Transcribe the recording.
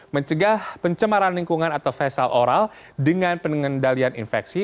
mencegah pencemaran lingkungan atau fesal oral dengan pengendalian infeksi